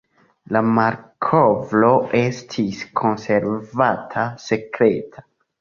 La malkovro estis konservata sekreta.